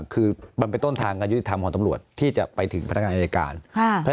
คือมันเป็นต้นทางการยุติธรรมของตำรวจที่จะไปถึงพนักงานอายการ